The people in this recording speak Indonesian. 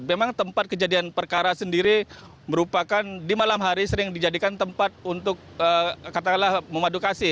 memang tempat kejadian perkara sendiri merupakan di malam hari sering dijadikan tempat untuk katakanlah memadukasi